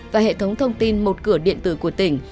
và hệ thống thông tin một cửa điện tử của tỉnh